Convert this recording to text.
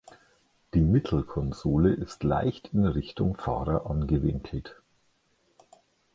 Die Mittelkonsole ist leicht in Richtung Fahrer angewinkelt.